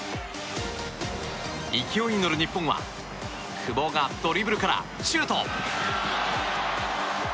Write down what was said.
勢いに乗る日本は久保がドリブルから、シュート！